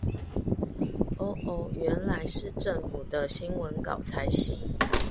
喔喔原來是政府的新聞稿才行